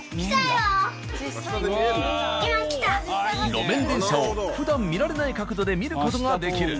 路面電車をふだん見られない角度で見る事ができる。